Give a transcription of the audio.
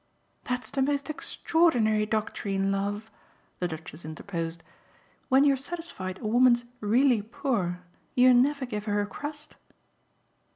"That's the most extraordinary doctrine, love," the Duchess interposed. "When you're satisfied a woman's 'really' poor you never give her a crust?"